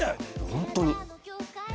本当に！